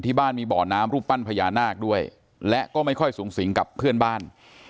บ้านมีบ่อน้ำรูปปั้นพญานาคด้วยและก็ไม่ค่อยสูงสิงกับเพื่อนบ้าน